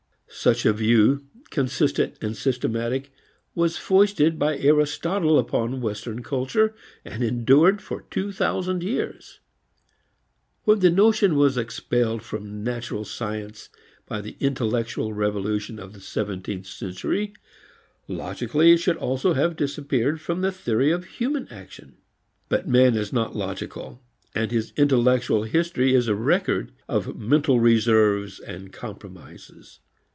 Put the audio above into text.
Such a view, consistent and systematic, was foisted by Aristotle upon western culture and endured for two thousand years. When the notion was expelled from natural science by the intellectual revolution of the seventeenth century, logically it should also have disappeared from the theory of human action. But man is not logical and his intellectual history is a record of mental reserves and compromises.